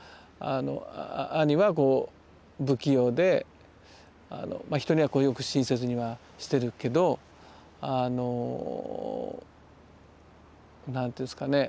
兄は不器用で人にはよく親切にはしてるけどあの何ていうんですかね